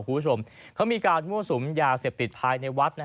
คุณผู้ชมเขามีการมั่วสุมยาเสพติดภายในวัด